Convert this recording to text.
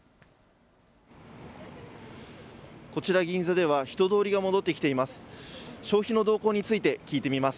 こちら、銀座では人通りが戻ってきています。